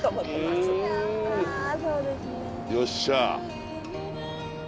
よっしゃ。